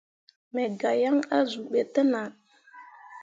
Me gah yaŋ azuu ɓe te nah.